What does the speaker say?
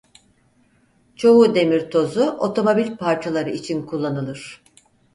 Çoğu demir tozu otomobil parçaları için kullanılır.